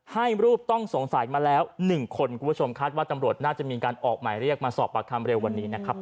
ให้รูปต้องสงสัยมาแล้ว๑คนคุณผู้ชมคาดว่าตำรวจน่าจะมีการออกหมายเรียกมาสอบปากคำเร็ววันนี้นะครับ